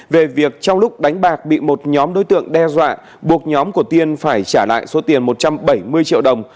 về việc trong lúc đánh bạc bị một nhóm đối tượng đe dọa buộc nhóm của tiên phải trả lại số tiền một trăm bảy mươi triệu đồng